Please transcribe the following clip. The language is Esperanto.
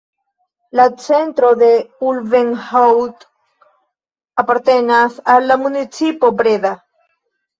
La centro de Ulvenhout apartenas al la municipo Breda.